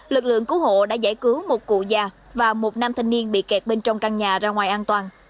lực lượng cứu hộ đã giải cứu một cụ già và một nam thanh niên bị kẹt bên trong căn nhà ra ngoài an toàn